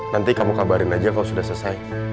nanti kamu kabarin aja kalau sudah selesai